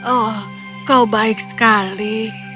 oh kau baik sekali